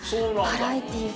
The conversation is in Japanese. バラエティーが。